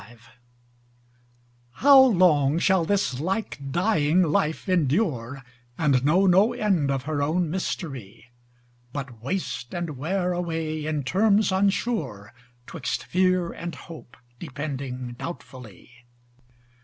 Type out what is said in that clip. XXV How long shall this like dying life endure, And know no end of her own mystery: But waste and wear away in terms unsure, 'Twixt fear and hope depending doubtfully?